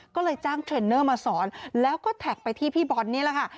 ก็เลยจ้างเทรนเนอร์มาสอนแล้วก็แท็กไปที่พี่บอลนี่แหละค่ะ